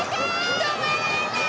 止まらなーい！